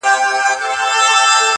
دلته هره تيږه کاڼئ بدخشان دی-